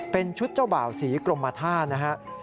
เป็นชุดเจ้าบ่าวสีกลมมาท่านะครับ